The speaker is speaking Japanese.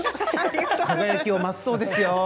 輝きが増すそうですよ。